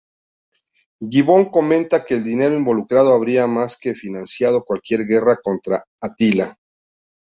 Gibbon comenta que el dinero involucrado habría más que financiado cualquier guerra contra Atila.